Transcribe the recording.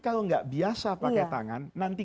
kalau nggak biasa pakai tangan nanti